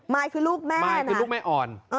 ยคือลูกแม่มายคือลูกแม่อ่อน